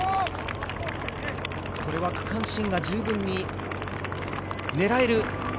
区間新が十分に狙える